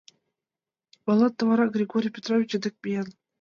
Молан Тамара Григорий Петрович дек миен?